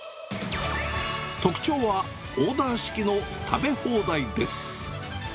特徴は、オーダー式の食べ放題です。